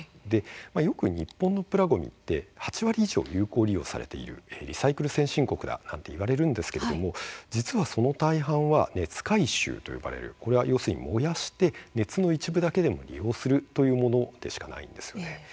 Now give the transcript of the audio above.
よく日本のプラごみ８割以上、有効利用されているリサイクル先進国と言われますが実はその大半は熱回収と呼ばれる、要するに燃やして熱の一部だけでも利用するというものでしかないんです。